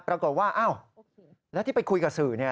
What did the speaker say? ปรากฏว่าอ้าวแล้วที่ไปคุยกับสื่อ